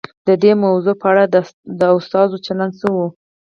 د دې موضوع په اړه د استازو چلند څه و؟